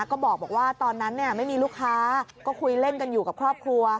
ก็บอกว่าตอนนั้นไม่มีลูกค้าก็คุยเล่นกันอยู่กับครอบครัว